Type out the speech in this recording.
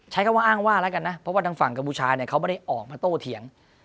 ใช้คำว่าอ้างว่าแล้วกันนะเพราะว่าทางฝั่งกัมพูชาเนี่ยเขาไม่ได้ออกมาโต้เถียง